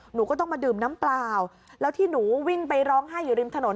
หนูก็ต้องมาดื่มน้ำเปล่าแล้วที่หนูวิ่งไปร้องไห้อยู่ริมถนน